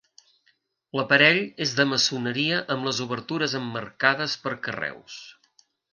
L'aparell és de maçoneria amb les obertures emmarcades per carreus.